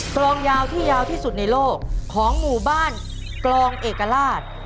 กรองยาวที่ยาวที่สุดในโลกของหมู่บ้านกรองเอกราช